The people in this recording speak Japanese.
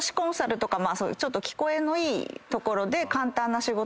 ちょっと聞こえのいいところで「簡単な仕事です」